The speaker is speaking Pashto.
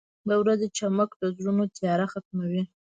• د ورځې چمک د زړونو تیاره ختموي.